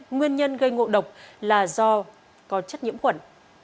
nguyên nhân gây ngộ độc là do có chất nhiễm khuẩn